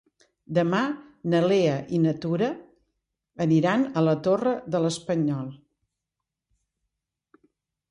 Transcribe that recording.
Demà na Lea i na Tura aniran a la Torre de l'Espanyol.